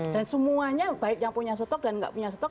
dan semuanya baik yang punya stok dan nggak punya stok